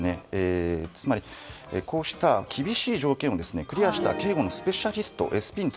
こうした厳しい条件をクリアしたＳＰのスペシャリスト